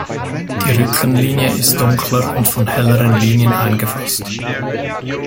Die Rückenlinie ist dunkler und von helleren Linien eingefasst.